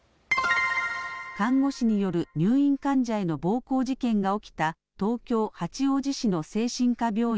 看護師による入院患者への暴行事件が起きた東京・八王子市の精神科病院